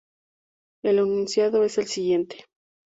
El enunciado es el siguiente.